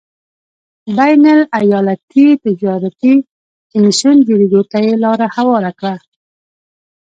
بین الایالتي تجارتي کمېسیون جوړېدو ته یې لار هواره کړه.